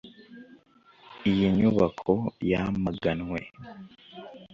iyi nyubako yamaganwe